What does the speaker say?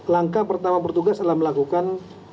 langkah pertama bertugas adalah melakukan